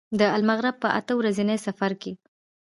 د المغرب په اته ورځني تفریحي سفر کې.